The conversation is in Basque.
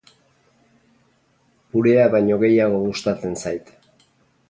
Purea baino gehiago gustatzen zait.